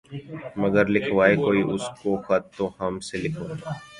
مگر لکھوائے کوئی اس کو خط تو ہم سے لکھوائے